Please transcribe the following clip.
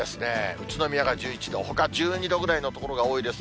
宇都宮が１１度、ほか１２度ぐらいの所が多いです。